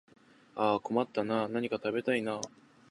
ああ困ったなあ、何か食べたいなあ